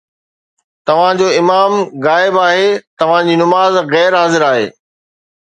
توهان جو امام غائب آهي، توهان جي نماز غير حاضر آهي